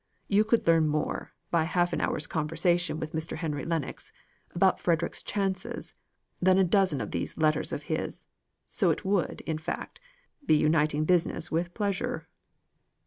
You could learn more by half an hour's conversation with Mr. Henry Lennox about Frederick's chances, than in a dozen of these letters of his; so it would, in fact, be uniting business with pleasure."